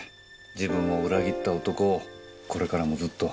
自分を裏切った男をこれからもずっと。